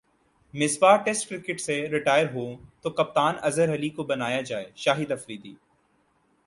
Misbah test cricket سے retire ہو تو کپتان اظہر علی کو بنایا جائےشاہد افریدی